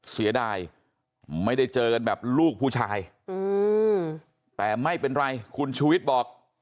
เสียดายไม่ได้เจอกันแบบลูกผู้ชายแต่ไม่เป็นไรคุณชูวิทย์บอก